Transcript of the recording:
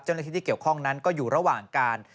เจ้าหน้าที่ที่เกี่ยวข้องนั้นก็อยู่ระหว่างการ